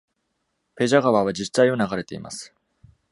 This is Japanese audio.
ペジャ川は自治体を流れています。